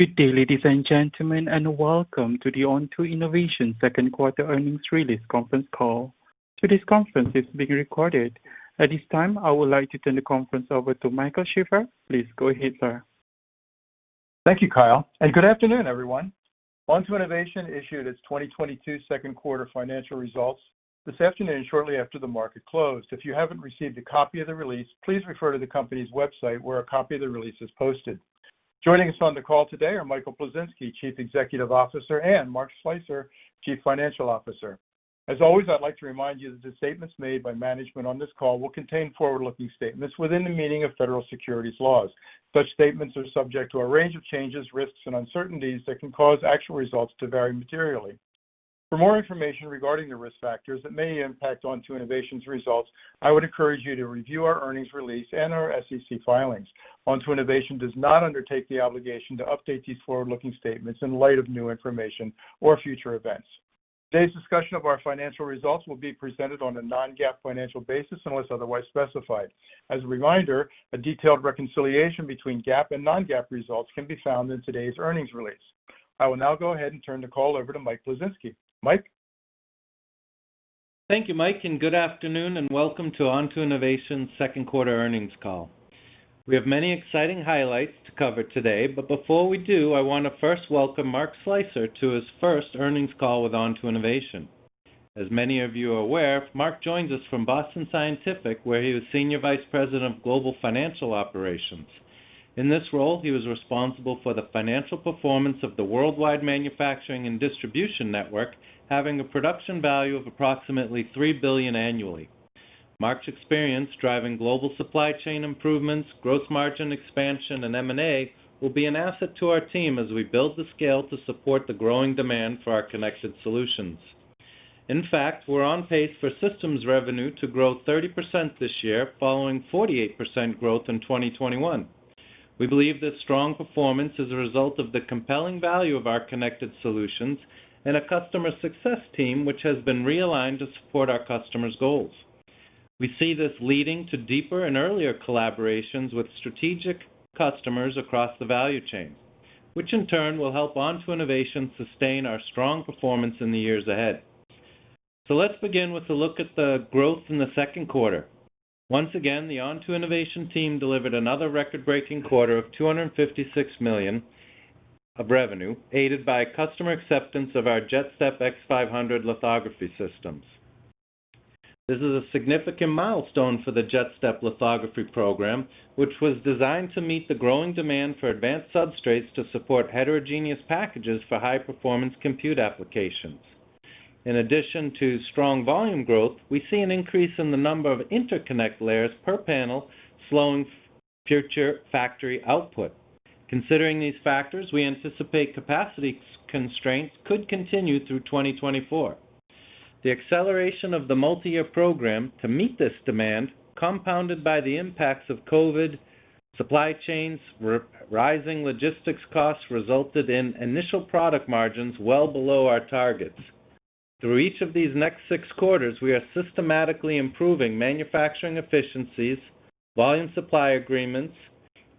Good day, ladies and gentlemen, and welcome to the Onto Innovation second quarter earnings release conference call. Today's conference is being recorded. At this time, I would like to turn the conference over to Michael Sheaffer. Please go ahead, sir. Thank you, Kyle, and good afternoon, everyone. Onto Innovation issued its 2022 second quarter financial results this afternoon shortly after the market closed. If you haven't received a copy of the release, please refer to the company's website, where a copy of the release is posted. Joining us on the call today are Michael Plisinski, Chief Executive Officer, and Mark Slicer, Chief Financial Officer. As always, I'd like to remind you that the statements made by management on this call will contain forward-looking statements within the meaning of federal securities laws. Such statements are subject to a range of changes, risks, and uncertainties that can cause actual results to vary materially. For more information regarding the risk factors that may impact Onto Innovation's results, I would encourage you to review our earnings release and our SEC filings. Onto Innovation does not undertake the obligation to update these forward-looking statements in light of new information or future events. Today's discussion of our financial results will be presented on a non-GAAP financial basis, unless otherwise specified. As a reminder, a detailed reconciliation between GAAP and non-GAAP results can be found in today's earnings release. I will now go ahead and turn the call over to Michael Plisinski. Mike? Thank you, Mike, and good afternoon, and welcome to Onto Innovation's second quarter earnings call. We have many exciting highlights to cover today, but before we do, I want to first welcome Mark Slicer to his first earnings call with Onto Innovation. As many of you are aware, Mark joins us from Boston Scientific, where he was Senior Vice President of Global Financial Operations. In this role, he was responsible for the financial performance of the worldwide manufacturing and distribution network, having a production value of approximately $3 billion annually. Mark's experience driving global supply chain improvements, gross margin expansion, and M&A will be an asset to our team as we build the scale to support the growing demand for our connected solutions. In fact, we're on pace for systems revenue to grow 30% this year, following 48% growth in 2021. We believe this strong performance is a result of the compelling value of our connected solutions and a customer success team which has been realigned to support our customers' goals. We see this leading to deeper and earlier collaborations with strategic customers across the value chain, which in turn will help Onto Innovation sustain our strong performance in the years ahead. Let's begin with a look at the growth in the second quarter. Once again, the Onto Innovation team delivered another record-breaking quarter of $256 million of revenue, aided by customer acceptance of our JetStep X500 lithography systems. This is a significant milestone for the JetStep lithography program, which was designed to meet the growing demand for advanced substrates to support heterogeneous packages for high-performance compute applications. In addition to strong volume growth, we see an increase in the number of interconnect layers per panel flowing future factory output. Considering these factors, we anticipate capacity constraints could continue through 2024. The acceleration of the multi-year program to meet this demand, compounded by the impacts of COVID, supply chains, rising logistics costs, resulted in initial product margins well below our targets. Through each of these next six quarters, we are systematically improving manufacturing efficiencies, volume supply agreements,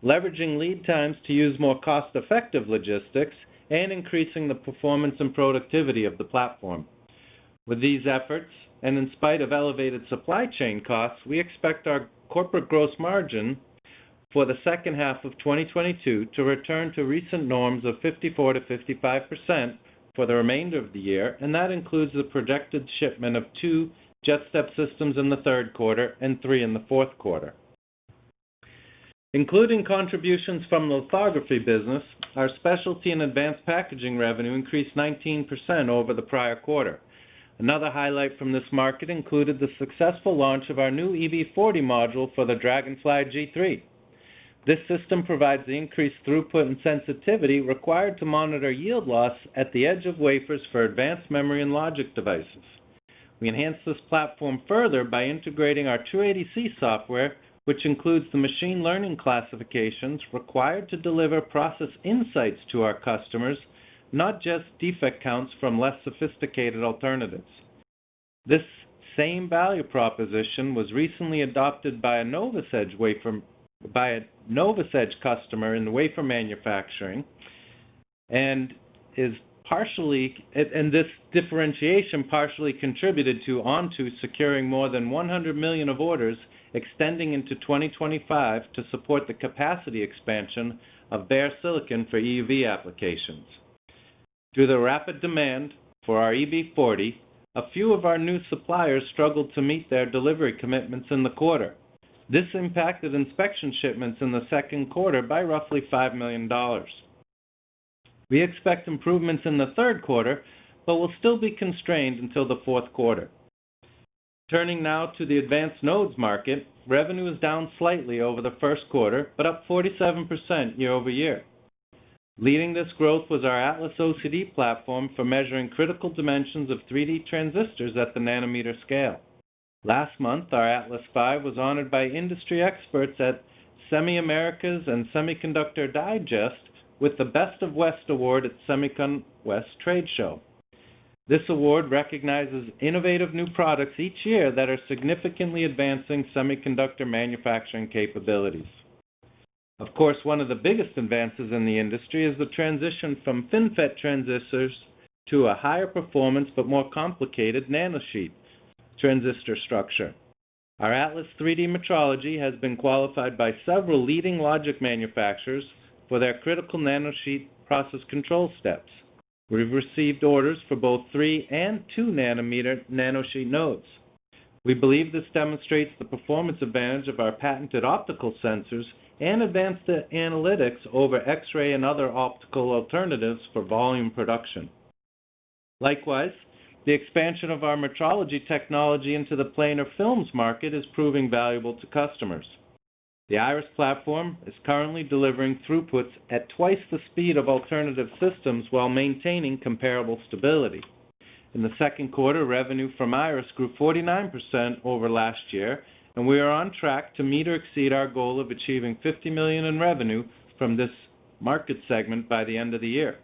leveraging lead times to use more cost-effective logistics, and increasing the performance and productivity of the platform. With these efforts, and in spite of elevated supply chain costs, we expect our corporate gross margin for the second half of 2022 to return to recent norms of 54%-55% for the remainder of the year, and that includes the projected shipment of 2 JetStep systems in the third quarter and 3 in the fourth quarter. Including contributions from lithography business, our specialty in advanced packaging revenue increased 19% over the prior quarter. Another highlight from this market included the successful launch of our new EB40 module for the Dragonfly G3. This system provides the increased throughput and sensitivity required to monitor yield loss at the edge of wafers for advanced memory and logic devices. We enhanced this platform further by integrating our 280C software, which includes the machine learning classifications required to deliver process insights to our customers, not just defect counts from less sophisticated alternatives. This same value proposition was recently adopted by a NovusEdge customer in the wafer manufacturing, and this differentiation partially contributed to Onto securing more than $100 million of orders extending into 2025 to support the capacity expansion of bare silicon for EUV applications. Through the rapid demand for our EB40, a few of our new suppliers struggled to meet their delivery commitments in the quarter. This impacted inspection shipments in the second quarter by roughly $5 million. We expect improvements in the third quarter, but will still be constrained until the fourth quarter. Turning now to the advanced nodes market, revenue is down slightly over the first quarter, but up 47% year-over-year. Leading this growth was our Atlas OCD platform for measuring critical dimensions of 3D transistors at the nanometer scale. Last month, our Atlas V was honored by industry experts at SEMI Americas and Semiconductor Digest with the Best of West Award at SEMICON West Trade Show. This award recognizes innovative new products each year that are significantly advancing semiconductor manufacturing capabilities. Of course, one of the biggest advances in the industry is the transition from FinFET transistors to a higher performance but more complicated nanosheet transistor structure. Our Atlas 3D metrology has been qualified by several leading logic manufacturers for their critical nanosheet process control steps. We've received orders for both 3- and 2-nanometer nanosheet nodes. We believe this demonstrates the performance advantage of our patented optical sensors and advanced analytics over X-ray and other optical alternatives for volume production. Likewise, the expansion of our metrology technology into the planar films market is proving valuable to customers. The Iris platform is currently delivering throughputs at twice the speed of alternative systems while maintaining comparable stability. In the second quarter, revenue from Iris grew 49% over last year, and we are on track to meet or exceed our goal of achieving $50 million in revenue from this market segment by the end of the year.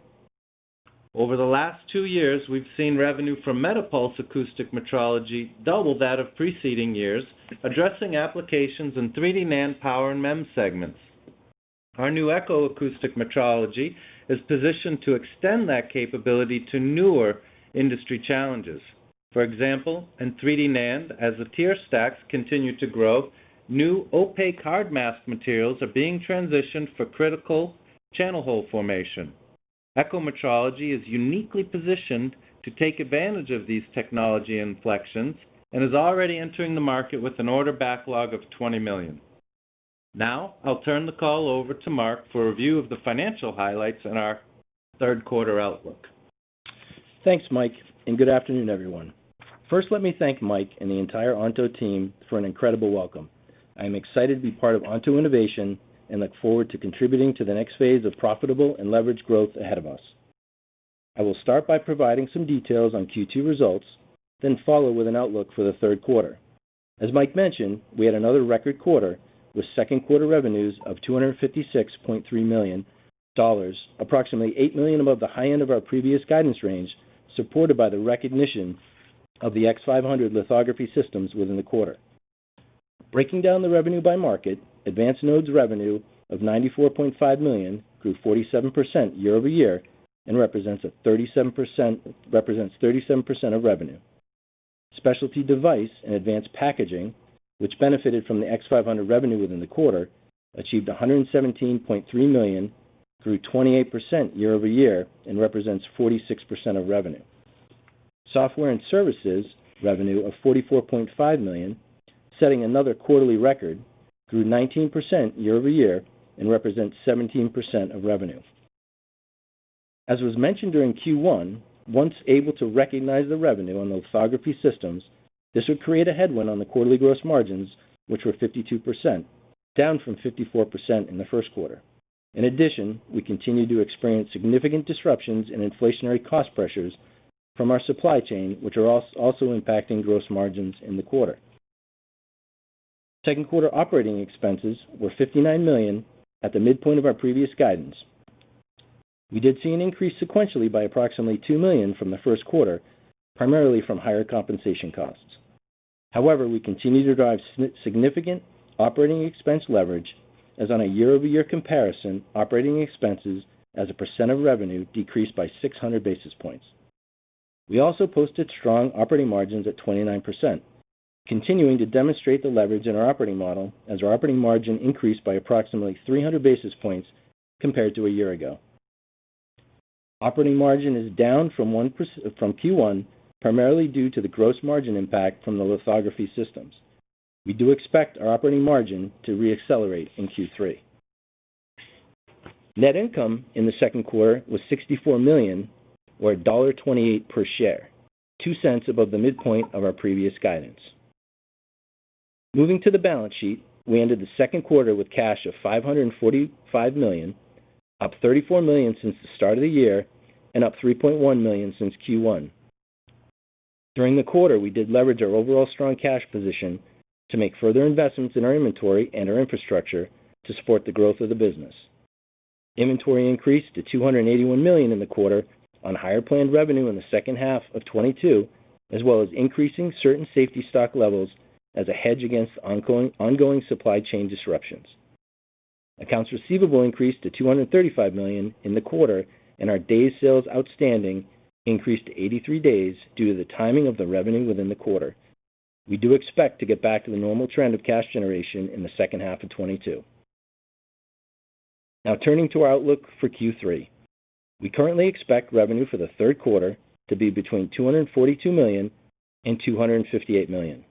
Over the last 2 years, we've seen revenue from MetaPULSE acoustic metrology double that of preceding years, addressing applications in 3D NAND, power, and MEMS segments. Our new Echo acoustic metrology is positioned to extend that capability to newer industry challenges. For example, in 3D NAND, as the tier stacks continue to grow, new opaque hard mask materials are being transitioned for critical channel hole formation. Echo metrology is uniquely positioned to take advantage of these technology inflections and is already entering the market with an order backlog of $20 million. Now, I'll turn the call over to Mark for a review of the financial highlights and our third quarter outlook. Thanks, Mike, and good afternoon, everyone. First, let me thank Mike and the entire Onto team for an incredible welcome. I am excited to be part of Onto Innovation and look forward to contributing to the next phase of profitable and leveraged growth ahead of us. I will start by providing some details on Q2 results, then follow with an outlook for the third quarter. As Mike mentioned, we had another record quarter with second quarter revenues of $256.3 million, approximately $8 million above the high end of our previous guidance range, supported by the recognition of the X500 lithography systems within the quarter. Breaking down the revenue by market, Advanced Nodes revenue of $94.5 million grew 47% year-over-year and represents 37% of revenue. Specialty device and advanced packaging, which benefited from the X500 revenue within the quarter, achieved $117.3 million, grew 28% year-over-year, and represents 46% of revenue. Software and services revenue of $44.5 million, setting another quarterly record, grew 19% year-over-year and represents 17% of revenue. As was mentioned during Q1, once able to recognize the revenue on lithography systems, this would create a headwind on the quarterly gross margins, which were 52%, down from 54% in the first quarter. In addition, we continue to experience significant disruptions and inflationary cost pressures from our supply chain, which are also impacting gross margins in the quarter. Second quarter operating expenses were $59 million at the midpoint of our previous guidance. We did see an increase sequentially by approximately $2 million from the first quarter, primarily from higher compensation costs. However, we continue to drive significant operating expense leverage as on a year-over-year comparison, operating expenses as a percent of revenue decreased by 600 basis points. We also posted strong operating margins at 29%, continuing to demonstrate the leverage in our operating model as our operating margin increased by approximately 300 basis points compared to a year ago. Operating margin is down from Q1, primarily due to the gross margin impact from the lithography systems. We do expect our operating margin to reaccelerate in Q3. Net income in the second quarter was $64 million or $1.28 per share, $0.02 above the midpoint of our previous guidance. Moving to the balance sheet, we ended the second quarter with cash of $545 million, up $34 million since the start of the year and up $3.1 million since Q1. During the quarter, we did leverage our overall strong cash position to make further investments in our inventory and our infrastructure to support the growth of the business. Inventory increased to $281 million in the quarter on higher planned revenue in the second half of 2022, as well as increasing certain safety stock levels as a hedge against ongoing supply chain disruptions. Accounts receivable increased to $235 million in the quarter, and our days sales outstanding increased to 83 days due to the timing of the revenue within the quarter. We do expect to get back to the normal trend of cash generation in the second half of 2022. Now turning to our outlook for Q3. We currently expect revenue for the third quarter to be between $242 million-$258 million.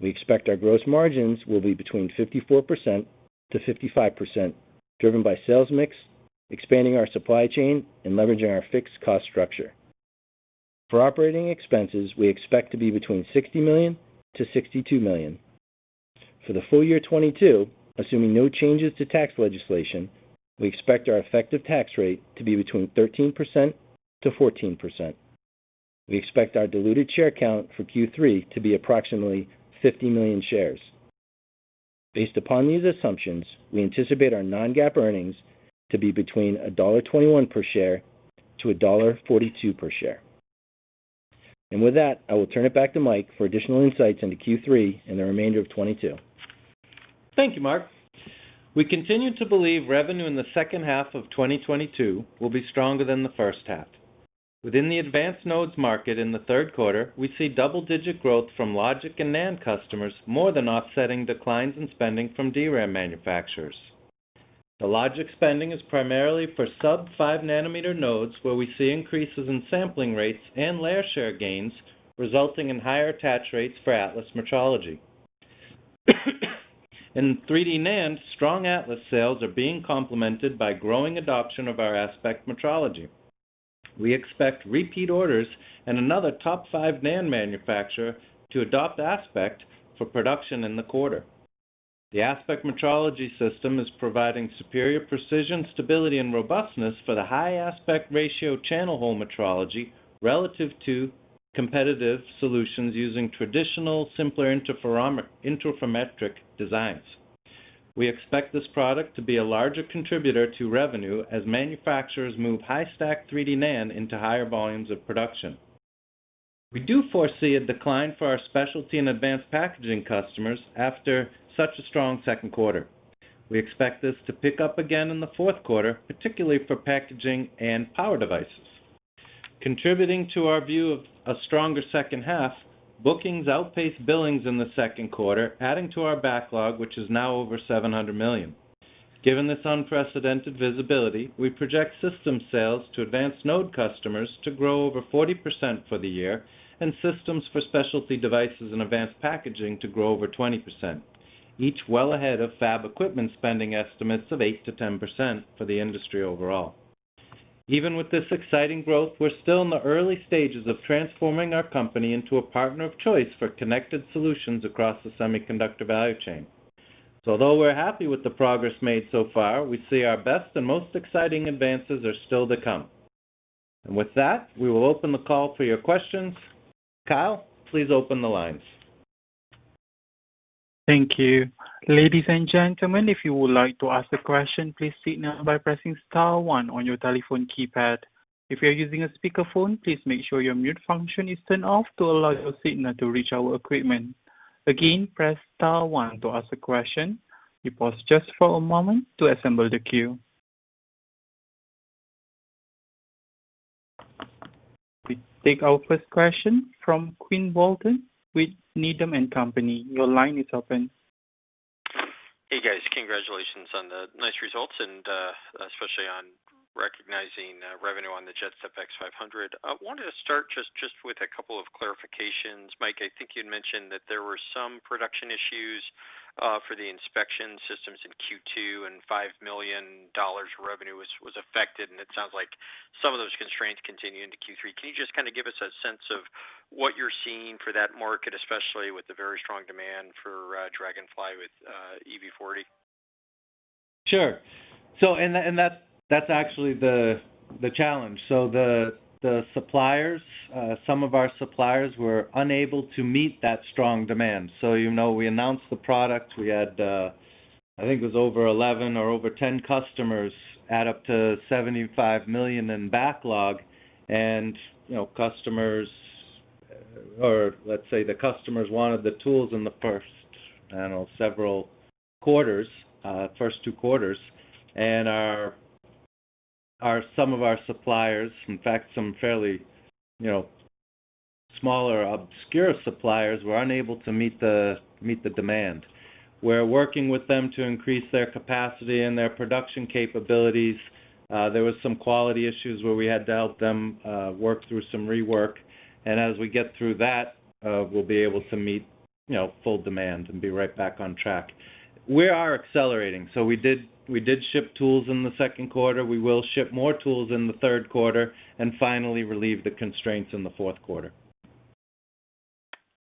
We expect our gross margins will be between 54%-55%, driven by sales mix, expanding our supply chain, and leveraging our fixed cost structure. For operating expenses, we expect to be between $60 million-$62 million. For the full year 2022, assuming no changes to tax legislation, we expect our effective tax rate to be between 13%-14%. We expect our diluted share count for Q3 to be approximately 50 million shares. Based upon these assumptions, we anticipate our non-GAAP earnings to be between $1.21 per share-$1.42 per share. With that, I will turn it back to Mike for additional insights into Q3 and the remainder of 2022. Thank you, Mark. We continue to believe revenue in the second half of 2022 will be stronger than the first half. Within the advanced nodes market in the third quarter, we see double-digit growth from logic and NAND customers, more than offsetting declines in spending from DRAM manufacturers. The logic spending is primarily for sub-5-nanometer nodes, where we see increases in sampling rates and layer share gains, resulting in higher attach rates for Atlas metrology. In 3D NAND, strong Atlas sales are being complemented by growing adoption of our Aspect metrology. We expect repeat orders and another top 5 NAND manufacturer to adopt Aspect for production in the quarter. The Aspect metrology system is providing superior precision, stability, and robustness for the high aspect ratio channel hole metrology relative to competitive solutions using traditional simpler interferometric designs. We expect this product to be a larger contributor to revenue as manufacturers move high stack 3D NAND into higher volumes of production. We do foresee a decline for our specialty and advanced packaging customers after such a strong second quarter. We expect this to pick up again in the fourth quarter, particularly for packaging and power devices. Contributing to our view of a stronger second half, bookings outpaced billings in the second quarter, adding to our backlog, which is now over $700 million. Given this unprecedented visibility, we project system sales to advanced node customers to grow over 40% for the year, and systems for specialty devices and advanced packaging to grow over 20%, each well ahead of fab equipment spending estimates of 8%-10% for the industry overall. Even with this exciting growth, we're still in the early stages of transforming our company into a partner of choice for connected solutions across the semiconductor value chain. Although we're happy with the progress made so far, we see our best and most exciting advances are still to come. With that, we will open the call for your questions. Kyle, please open the lines. Thank you. Ladies and gentlemen, if you would like to ask a question, please signal by pressing star one on your telephone keypad. If you are using a speakerphone, please make sure your mute function is turned off to allow your signal to reach our equipment. Again, press star one to ask a question. We pause just for a moment to assemble the queue. We take our first question from Quinn Bolton with Needham & Company. Your line is open. Hey, guys. Congratulations on the nice results and especially on recognizing revenue on the JetStep X500. I wanted to start just with a couple of clarifications. Mike, I think you'd mentioned that there were some production issues for the inspection systems in Q2 and $5 million revenue was affected, and it sounds like some of those constraints continue into Q3. Can you just kind of give us a sense of what you're seeing for that market, especially with the very strong demand for Dragonfly with EB40? Sure. That's actually the challenge. The suppliers, some of our suppliers were unable to meet that strong demand. You know, we announced the product. We had, I think it was over 11 or over 10 customers add up to $75 million in backlog. You know, customers or let's say the customers wanted the tools in the first, I don't know, several quarters, first two quarters. Some of our suppliers, in fact, some fairly, you know, smaller, obscure suppliers were unable to meet the demand. We're working with them to increase their capacity and their production capabilities. There was some quality issues where we had to help them work through some rework. As we get through that, we'll be able to meet, you know, full demand and be right back on track. We are accelerating. We did ship tools in the second quarter. We will ship more tools in the third quarter and finally relieve the constraints in the fourth quarter.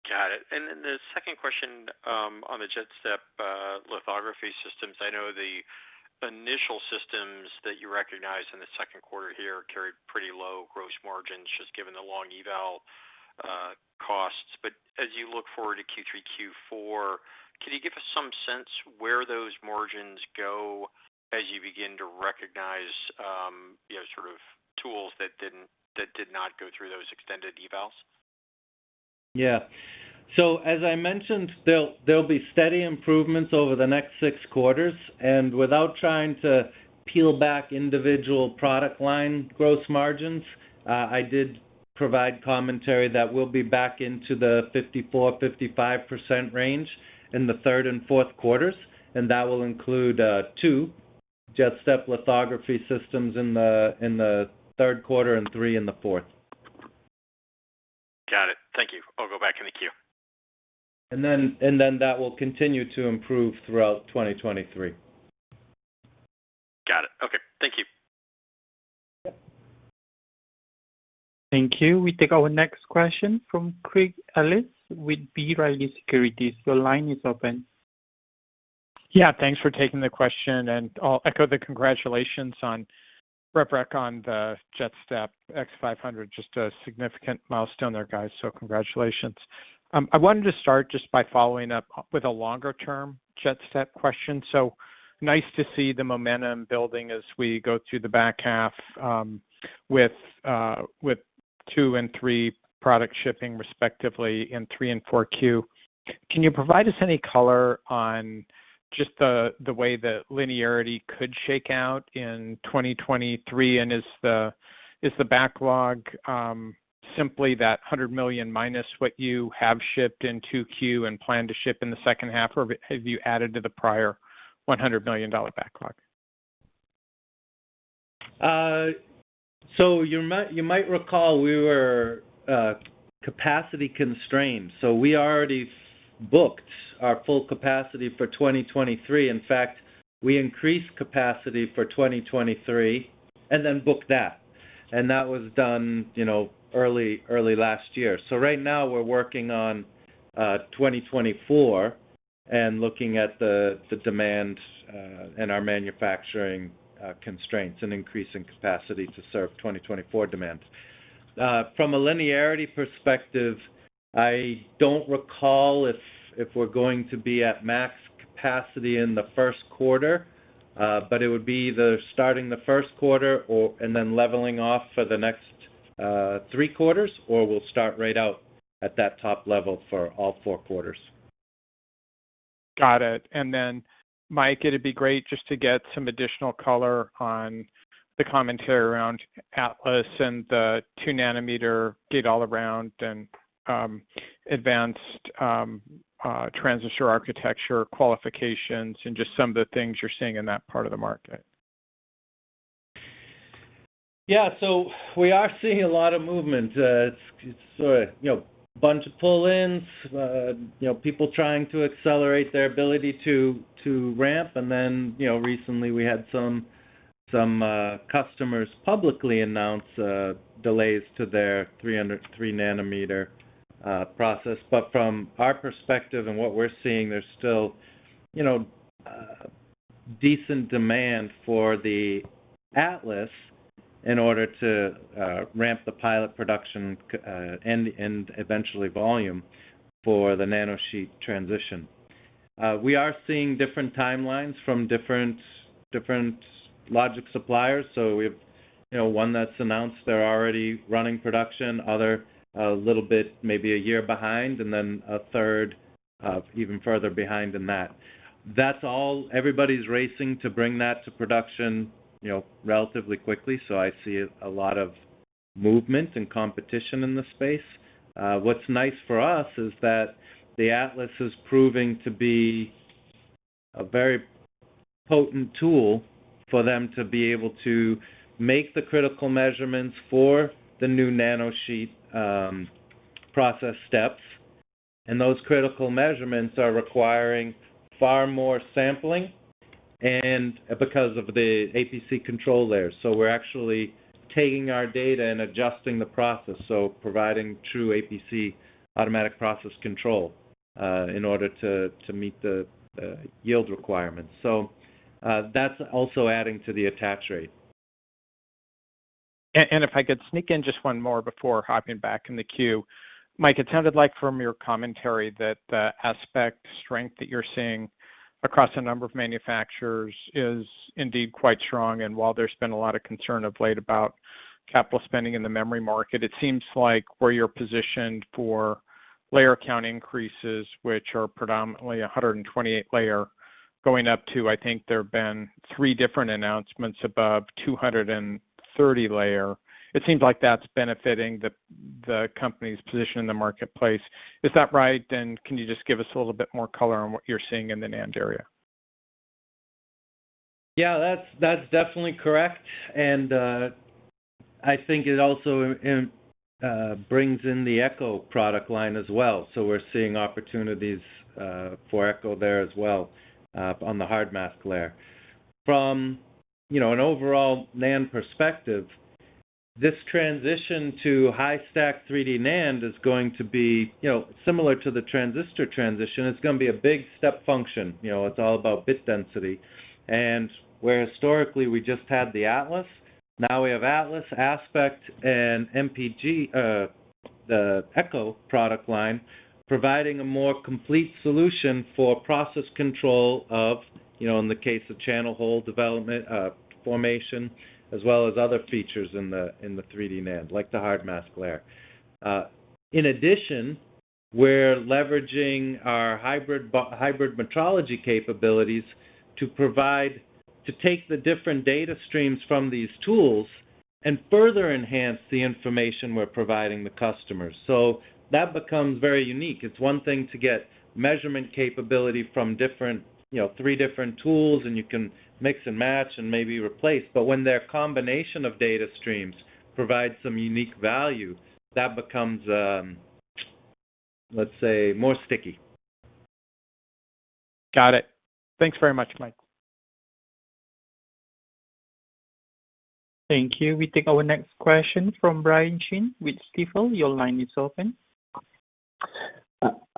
Got it. Then the second question on the JetStep lithography systems. I know the initial systems that you recognized in the second quarter here carried pretty low gross margins just given the long eval costs. But as you look forward to Q3, Q4, can you give us some sense where those margins go as you begin to recognize you know sort of tools that did not go through those extended evals? Yeah. As I mentioned, there'll be steady improvements over the next six quarters. Without trying to peel back individual product line gross margins, I did provide commentary that we'll be back into the 54%-55% range in the third and fourth quarters, and that will include two JetStep lithography systems in the third quarter and three in the fourth. Got it. Thank you. I'll go back in the queue. That will continue to improve throughout 2023. Got it. Okay. Thank you. Thank you. We take our next question from Craig Ellis with B. Riley Securities. Your line is open. Yeah, thanks for taking the question, and I'll echo the congratulations on Ramp on the JetStep X500, just a significant milestone there, guys. Congratulations. I wanted to start just by following up with a longer-term JetStep question. Nice to see the momentum building as we go through the back half, with two and three product shipping respectively in 3Q and 4Q. Can you provide us any color on just the way the linearity could shake out in 2023? Is the backlog simply that $100 million minus what you have shipped in 2Q and plan to ship in the second half, or have you added to the prior $100 million backlog? You might recall we were capacity constrained, so we already booked our full capacity for 2023. In fact, we increased capacity for 2023 and then booked that. That was done, you know, early last year. Right now we're working on 2024 and looking at the demand and our manufacturing constraints and increasing capacity to serve 2024 demands. From a linearity perspective, I don't recall if we're going to be at max capacity in the first quarter, but it would be either starting the first quarter and then leveling off for the next three quarters, or we'll start right out at that top level for all four quarters. Got it. Mike, it'd be great just to get some additional color on the commentary around Atlas and the 2-nanometer gate-all-around and advanced transistor architecture qualifications, and just some of the things you're seeing in that part of the market. Yeah. We are seeing a lot of movement. It's, you know, a bunch of pull-ins, you know, people trying to accelerate their ability to ramp. You know, recently we had some customers publicly announce delays to their 3-nanometer process. From our perspective and what we're seeing, there's still, you know, decent demand for the Atlas in order to ramp the pilot production and eventually volume for the nanosheet transition. We are seeing different timelines from different logic suppliers. You know, we've one that's announced they're already running production, other a little bit maybe a year behind, and then a third even further behind than that. That's all, everybody's racing to bring that to production, you know, relatively quickly. I see a lot of movement and competition in the space. What's nice for us is that the Atlas is proving to be a very potent tool for them to be able to make the critical measurements for the new nanosheet process steps. Those critical measurements are requiring far more sampling and because of the APC control layer. We're actually taking our data and adjusting the process, so providing true APC, automatic process control, in order to meet the yield requirements. That's also adding to the attach rate. If I could sneak in just one more before hopping back in the queue. Mike, it sounded like from your commentary that the Aspect strength that you're seeing across a number of manufacturers is indeed quite strong. While there's been a lot of concern of late about capital spending in the memory market, it seems like where you're positioned for layer count increases, which are predominantly 128 layer, going up to, I think there have been three different announcements above 230 layer. It seems like that's benefiting the company's position in the marketplace. Is that right? Can you just give us a little bit more color on what you're seeing in the NAND area? Yeah, that's definitely correct. I think it also brings in the Echo product line as well. We're seeing opportunities for Echo there as well on the hard mask layer. From an overall NAND perspective, this transition to high-stack 3D NAND is going to be, you know, similar to the transistor transition. It's gonna be a big step function. You know, it's all about bit density. Where historically we just had the Atlas, now we have Atlas, Aspect and MetaPULSE, the Echo product line, providing a more complete solution for process control of, you know, in the case of channel hole development, formation, as well as other features in the 3D NAND, like the hard mask layer. In addition, we're leveraging our hybrid metrology capabilities to take the different data streams from these tools and further enhance the information we're providing the customers. That becomes very unique. It's one thing to get measurement capability from different, you know, three different tools, and you can mix and match and maybe replace. When their combination of data streams provides some unique value, that becomes, let's say, more sticky. Got it. Thanks very much, Mike. Thank you. We take our next question from Brian Chin with Stifel. Your line is open.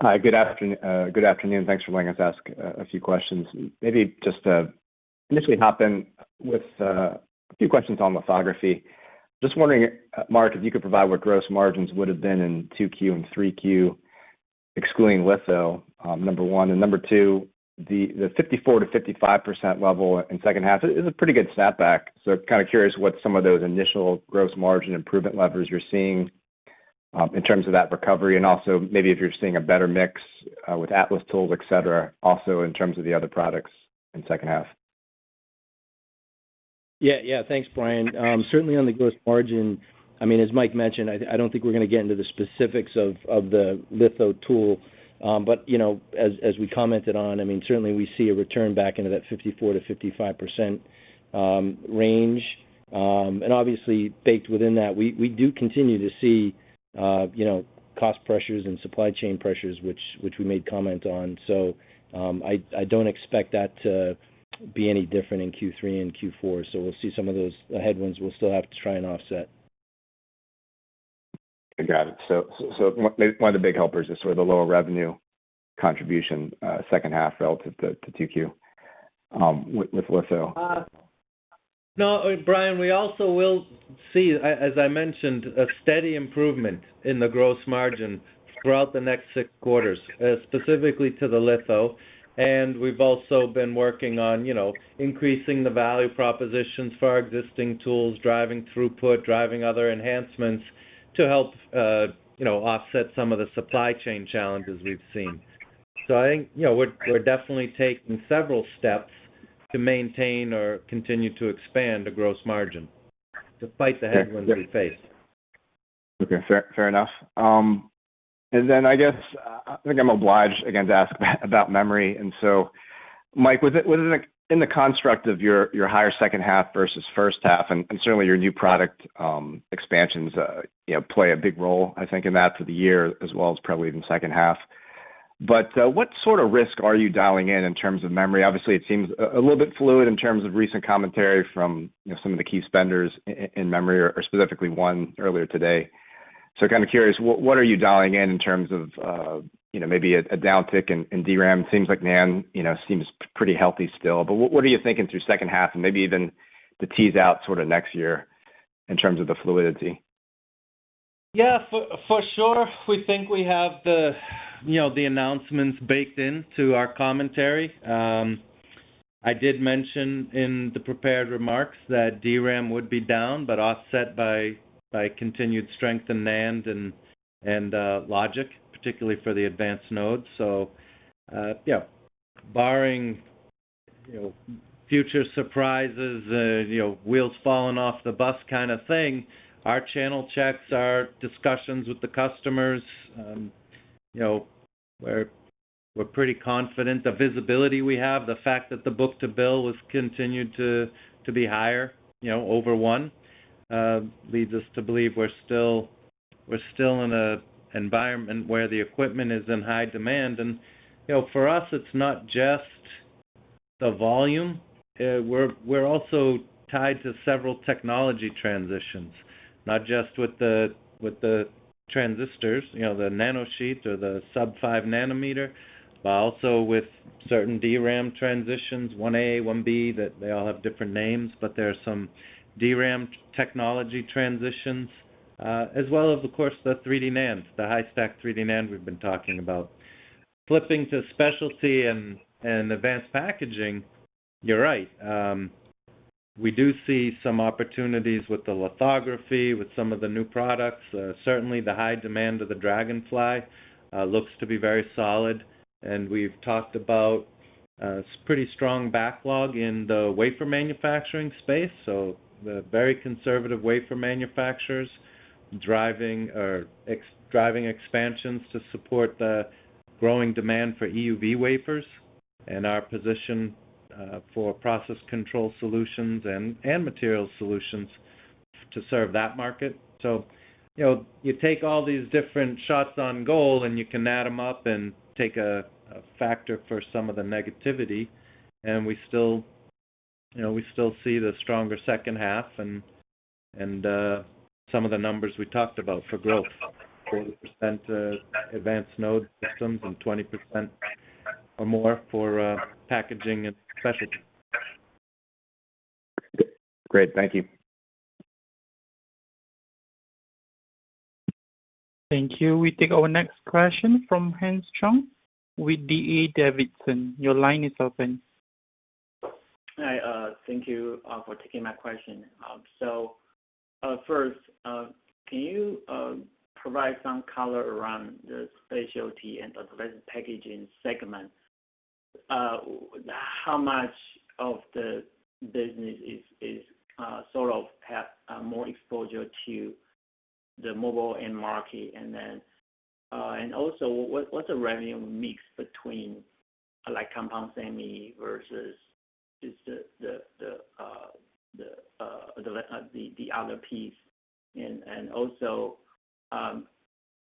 Hi. Good afternoon. Thanks for letting us ask a few questions. Maybe just to initially hop in with a few questions on lithography. Just wondering, Mark, if you could provide what gross margins would have been in 2Q and 3Q, excluding litho, number one. Number two, the 54%-55% level in second half is a pretty good snapback. So kind of curious what some of those initial gross margin improvement levers you're seeing in terms of that recovery and also maybe if you're seeing a better mix with Atlas tools, et cetera, also in terms of the other products in second half. Yeah, yeah. Thanks, Brian. Certainly on the gross margin, I mean, as Mike mentioned, I don't think we're gonna get into the specifics of the litho tool. You know, as we commented on, I mean, certainly we see a return back into that 54%-55% range. Obviously baked within that we do continue to see, you know, cost pressures and supply chain pressures which we made comment on. I don't expect that to be any different in Q3 and Q4, so we'll see some of those headwinds we'll still have to try and offset. I got it. One of the big helpers is sort of the lower revenue contribution, second half relative to 2Q, with litho. No, Brian, we also will see, as I mentioned, a steady improvement in the gross margin throughout the next six quarters, specifically to the litho. We've also been working on, you know, increasing the value propositions for our existing tools, driving throughput, driving other enhancements to help, you know, offset some of the supply chain challenges we've seen. I think, you know, we're definitely taking several steps to maintain or continue to expand the gross margin despite the headwinds that we face. Okay. Fair enough. I guess I think I'm obliged again to ask about memory. Mike, within the construct of your higher second half versus first half, and certainly your new product expansions, you know, play a big role, I think, in that for the year as well as probably even second half. What sort of risk are you dialing in in terms of memory? Obviously, it seems a little bit fluid in terms of recent commentary from, you know, some of the key spenders in memory or specifically one earlier today. Kind of curious, what are you dialing in in terms of, you know, maybe a downtick in DRAM. Seems like NAND, you know, seems pretty healthy still. What are you thinking through second half and maybe even to tease out sort of next year in terms of the fluidity? For sure, we think we have the announcements baked into our commentary. I did mention in the prepared remarks that DRAM would be down but offset by continued strength in NAND and logic, particularly for the advanced nodes. Yeah, barring future surprises, you know, wheels falling off the bus kind of thing, our channel checks, our discussions with the customers, you know, we're pretty confident. The visibility we have, the fact that the book-to-bill has continued to be higher, you know, over 1, leads us to believe we're still in an environment where the equipment is in high demand. You know, for us, it's not just the volume. We're also tied to several technology transitions, not just with the transistors, you know, the nanosheets or the subfive nanometer, but also with certain DRAM transitions, one A, one B, that they all have different names. There are some DRAM technology transitions, as well as of course, the 3D NANDs, the high stack 3D NAND we've been talking about. Flipping to specialty and advanced packaging, you're right. We do see some opportunities with the lithography, with some of the new products. Certainly the high demand of the Dragonfly looks to be very solid. We've talked about pretty strong backlog in the wafer manufacturing space. The very conservative wafer manufacturers driving or ex. Driving expansions to support the growing demand for EUV wafers and our position for process control solutions and material solutions to serve that market. You know, you take all these different shots on goal, and you can add them up and take a factor for some of the negativity, and we still, you know, we still see the stronger second half and some of the numbers we talked about for growth, 40% advanced node systems and 20% or more for packaging and specialty. Great. Thank you. Thank you. We take our next question from Hans Chung with D.A. Davidson. Your line is open. Hi. Thank you for taking my question. First, can you provide some color around the specialty and the advanced packaging segment? How much of the business is sort of have more exposure to the mobile end market? What's the revenue mix between like compound semiconductor versus just the other piece?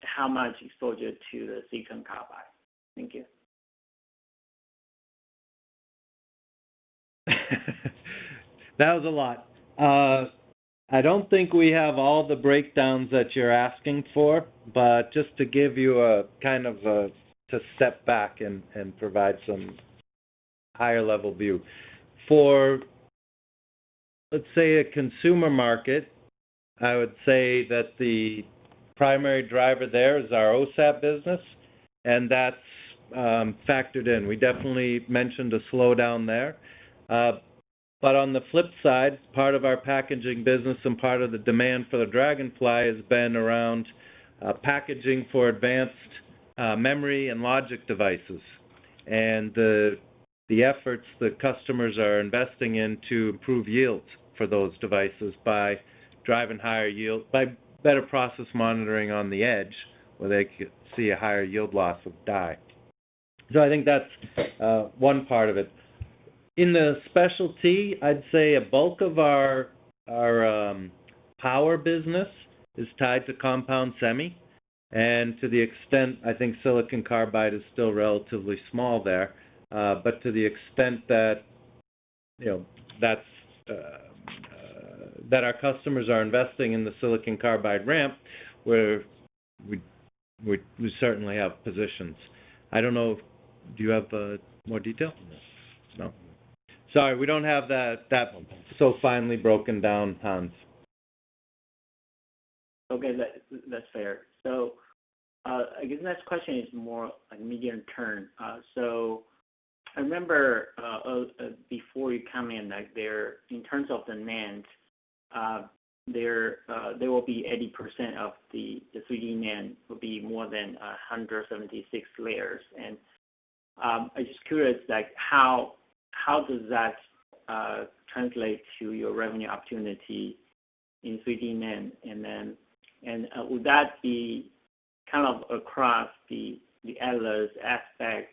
How much exposure to the silicon carbide? Thank you. That was a lot. I don't think we have all the breakdowns that you're asking for, but just to give you a kind of to step back and provide some higher level view. For, let's say, a consumer market, I would say that the primary driver there is our OSAT business, and that's factored in. We definitely mentioned a slowdown there. On the flip side, part of our packaging business and part of the demand for the Dragonfly has been around packaging for advanced memory and logic devices, and the efforts that customers are investing in to improve yields for those devices by driving higher yields, by better process monitoring on the edge, where they could see a higher yield loss of die. I think that's one part of it. In the specialty, I'd say a bulk of our power business is tied to compound semiconductor, and to the extent I think silicon carbide is still relatively small there. To the extent that, you know, our customers are investing in the silicon carbide ramp, we certainly have positions. I don't know, do you have more detail? No. No. Sorry, we don't have that so finely broken down, Hans. Okay. That's fair. I guess the next question is more like medium term. I remember, before you come in, like there in terms of demand, there will be 80% of the 3D NAND will be more than 176 layers. I'm just curious, like how does that translate to your revenue opportunity in 3D NAND? Would that be kind of across the Atlas, Aspect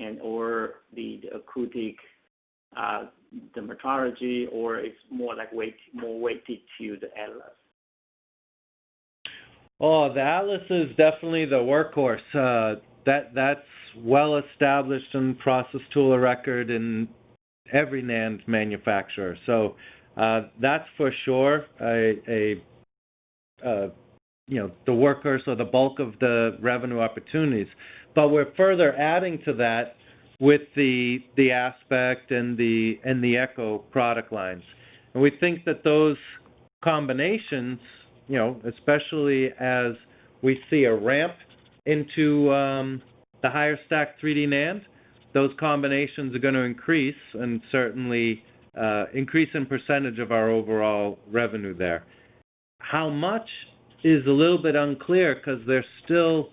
and/or the acoustic metrology, or it's more weighted to the Atlas? The Atlas is definitely the workhorse. That's well established and process tool of record in every NAND manufacturer. That's for sure. You know, the workhorse or the bulk of the revenue opportunities. We're further adding to that with the Aspect and the Echo product lines. We think that those combinations, you know, especially as we see a ramp into the higher stack 3D NAND, those combinations are gonna increase and certainly increase in percentage of our overall revenue there. How much is a little bit unclear 'cause they're still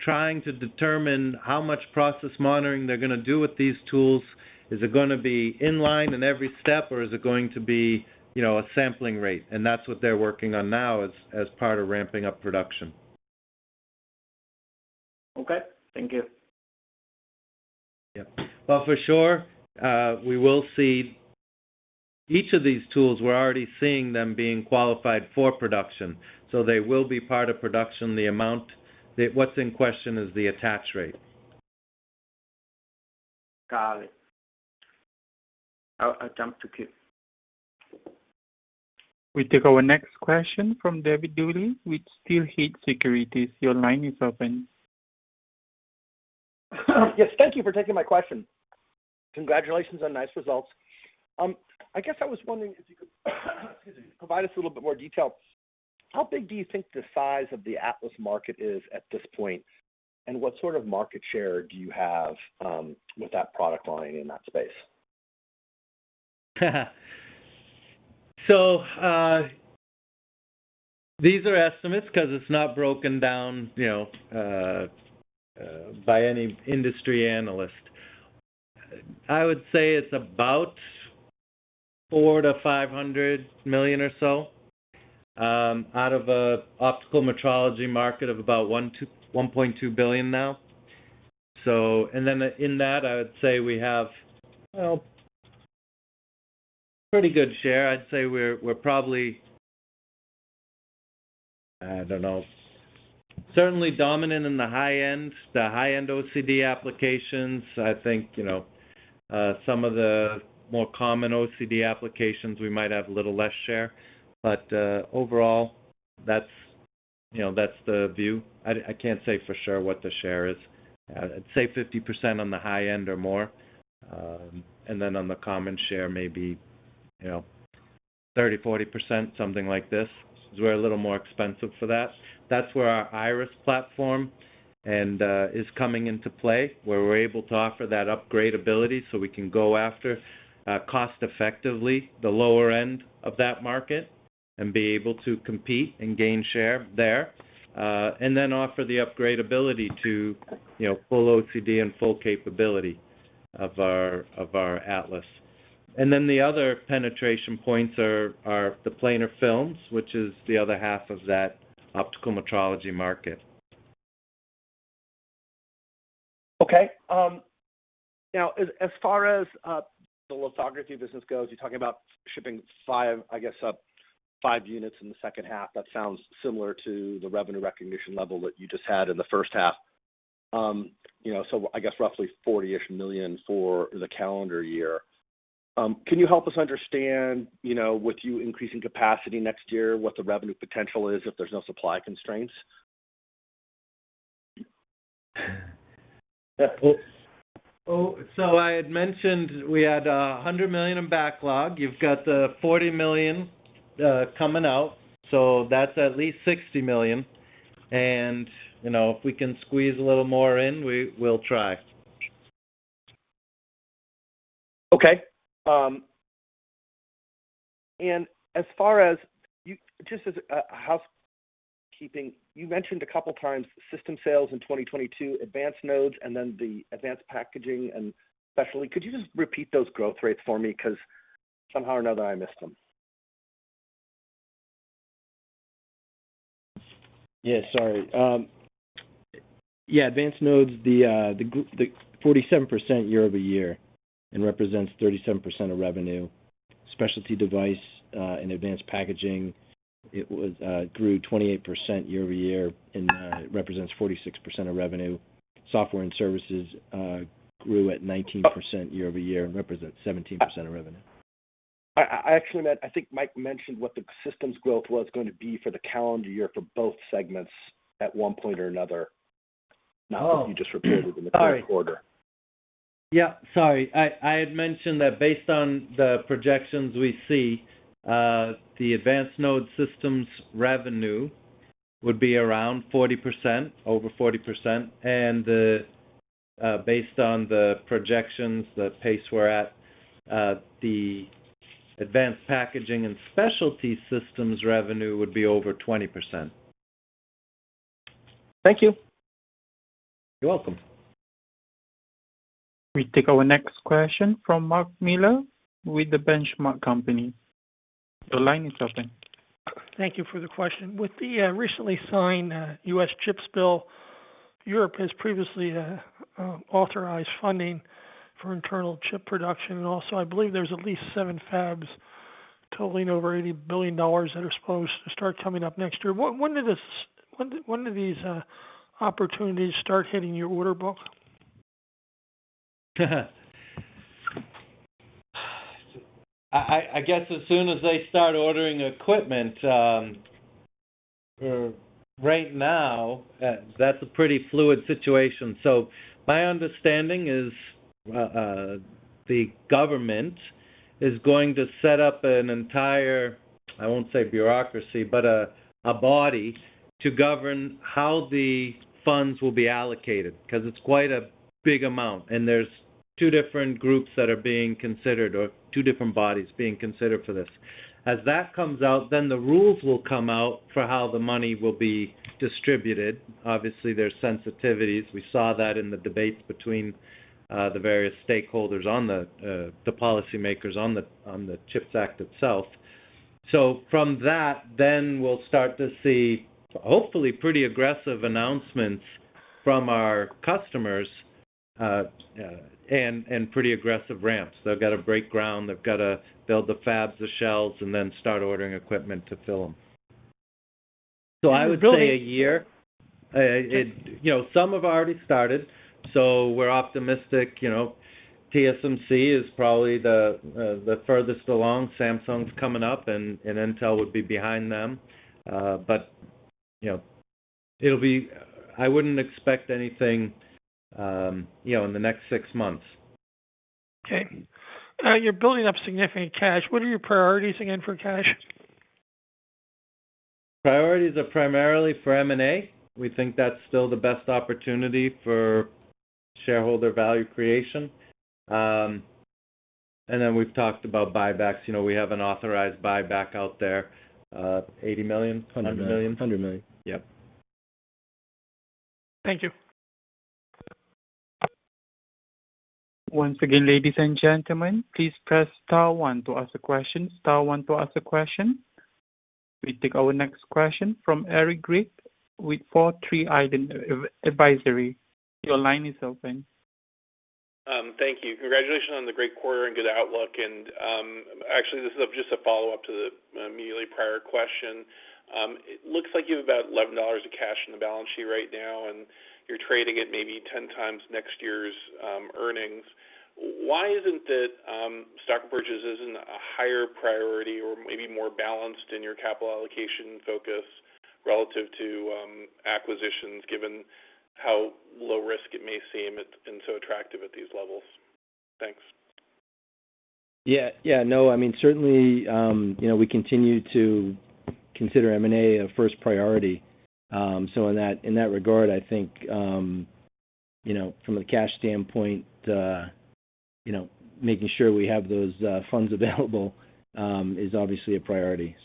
trying to determine how much process monitoring they're gonna do with these tools. Is it gonna be in line in every step, or is it going to be, you know, a sampling rate? That's what they're working on now as part of ramping up production. Okay. Thank you. Well, for sure, we will see each of these tools, we're already seeing them being qualified for production, so they will be part of production. What's in question is the attach rate. Got it. I'll attempt to keep. We take our next question from David Duley with Steelhead Securities. Your line is open. Yes. Thank you for taking my question. Congratulations on nice results. I guess I was wondering if you could excuse me, provide us a little bit more detail. How big do you think the size of the Atlas market is at this point, and what sort of market share do you have with that product line in that space? These are estimates 'cause it's not broken down, you know, by any industry analyst. I would say it's about $400 million-$500 million or so, out of an optical metrology market of about $1.2 billion now. In that, I would say we have, well, pretty good share. I'd say we're probably, I don't know, certainly dominant in the high end, the high-end OCD applications. I think, you know, some of the more common OCD applications, we might have a little less share. Overall that's, you know, that's the view. I can't say for sure what the share is. I'd say 50% on the high end or more. On the common share, maybe, you know, 30%-40%, something like this, 'cause we're a little more expensive for that. That's where our Iris platform is coming into play, where we're able to offer that upgrade ability so we can go after cost effectively the lower end of that market and be able to compete and gain share there, and then offer the upgrade ability to, you know, full OCD and full capability of our Atlas. The other penetration points are the planar films, which is the other half of that optical metrology market. Okay. Now as far as the lithography business goes, you're talking about shipping five, I guess, five units in the second half. That sounds similar to the revenue recognition level that you just had in the first half. You know, I guess roughly $40-ish million for the calendar year. Can you help us understand, you know, with you increasing capacity next year, what the revenue potential is if there's no supply constraints? I had mentioned we had $100 million in backlog. You've got the $40 million coming out, so that's at least $60 million. You know, if we can squeeze a little more in, we'll try. Okay. Just as a housekeeping, you mentioned a couple times system sales in 2022, advanced nodes, and then the advanced packaging and specialty. Could you just repeat those growth rates for me? Because somehow or another, I missed them. Yeah, sorry. Advanced nodes, the 47% year-over-year and represents 37% of revenue. Specialty device and advanced packaging grew 28% year-over-year and represents 46% of revenue. Software and services grew at 19% year-over-year and represents 17% of revenue. I actually meant, I think Mike mentioned what the systems growth was going to be for the calendar year for both segments at one point or another. Oh. Now that you just repeated it in the third quarter. Sorry. Yeah, sorry. I had mentioned that based on the projections we see, the advanced node systems revenue would be around 40%, over 40%. Based on the projections, the pace we're at, the advanced packaging and specialty systems revenue would be over 20%. Thank you. You're welcome. We take our next question from Mark Miller with The Benchmark Company. Your line is open. Thank you for the question. With the recently signed U.S. CHIPS Act, Europe has previously authorized funding for internal chip production. Also, I believe there's at least 7 fabs totaling over $80 billion that are supposed to start coming up next year. When do these opportunities start hitting your order book? I guess as soon as they start ordering equipment. Right now, that's a pretty fluid situation. My understanding is, the government is going to set up an entire, I won't say bureaucracy, but a body to govern how the funds will be allocated, because it's quite a big amount, and there's two different groups that are being considered or two different bodies being considered for this. As that comes out, then the rules will come out for how the money will be distributed. Obviously, there are sensitivities. We saw that in the debates between, the various stakeholders on the policymakers on the, on the CHIPS Act itself. From that, then we'll start to see hopefully pretty aggressive announcements from our customers, and pretty aggressive ramps. They've got to break ground. They've got to build the fabs, the shells, and then start ordering equipment to fill them. I would say a year. You know, some have already started, so we're optimistic. You know, TSMC is probably the furthest along. Samsung's coming up, and Intel would be behind them. You know, it'll be. I wouldn't expect anything, you know, in the next six months. Okay. You're building up significant cash. What are your priorities again for cash? Priorities are primarily for M&A. We think that's still the best opportunity for shareholder value creation. We've talked about buybacks. You know, we have an authorized buyback out there. $80 million? $100 million. $100 million. $100 million. Yep. Thank you. Once again, ladies and gentlemen, please press star one to ask a question. Star one to ask a question. We take our next question from Eric Gregg with Four Tree Island Advisory. Your line is open. Thank you. Congratulations on the great quarter and good outlook. Actually, this is just a follow-up to the immediately prior question. It looks like you have about $11 of cash in the balance sheet right now, and you're trading at maybe 10 times next year's earnings. Why isn't it stock purchases in a higher priority or maybe more balanced in your capital allocation focus relative to acquisitions, given how low risk it may seem and so attractive at these levels? Thanks. Yeah. Yeah, no, I mean, certainly, you know, we continue to consider M&A a first priority. In that regard, I think, you know, from a cash standpoint, you know, making sure we have those funds available is obviously a priority.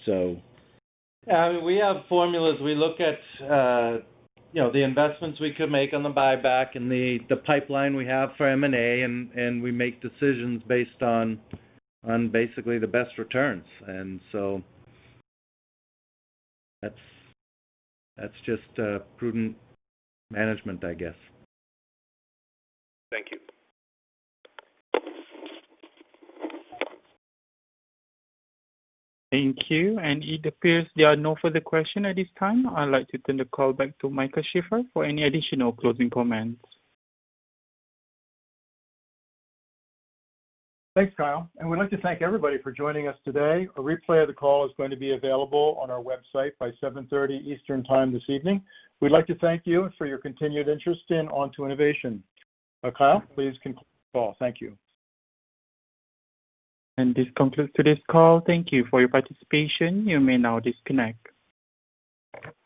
Yeah, we have formulas. We look at, you know, the investments we could make on the buyback and the pipeline we have for M&A, and we make decisions based on basically the best returns. That's just prudent management, I guess. Thank you. Thank you. It appears there are no further questions at this time. I'd like to turn the call back to Michael Sheaffer for any additional closing comments. Thanks, Kyle. We'd like to thank everybody for joining us today. A replay of the call is going to be available on our website by 7:30 Eastern Time this evening. We'd like to thank you for your continued interest in Onto Innovation. Kyle, please conclude the call. Thank you. This concludes today's call. Thank you for your participation. You may now disconnect.